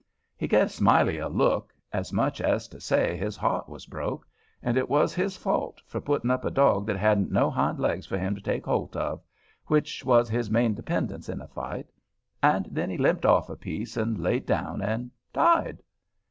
He gave Smiley a look, as much as to say his heart was broke, and it was his fault, for putting up a dog that hadn't no hind legs for him to take holt of, which was his main dependence in a fight, and then he limped off a piece and laid down and died.